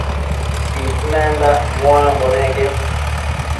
Ismenda muambo neque